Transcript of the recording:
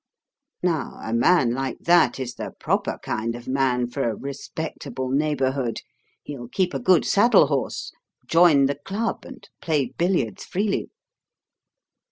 Now, a man like that is the proper kind of man for a respectable neighbourhood. He'll keep a good saddle horse, join the club, and play billiards freely.